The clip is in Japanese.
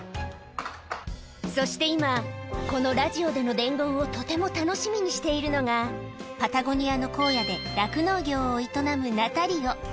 そして今、このラジオでの伝言をとても楽しみにしているのが、パタゴニアのこう野で酪農業を営むナタリオ。